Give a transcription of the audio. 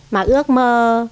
mà ước mơ